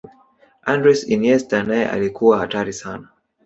andres iniesta naye alikuwa hatari sana